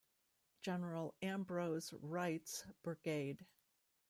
General Ambrose Wright's brigade.